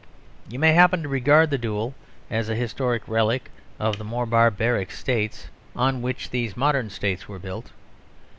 You may happen to regard the duel as a historic relic of the more barbaric States on which these modern States were built.